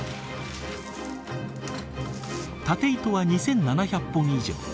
縦糸は２，７００本以上。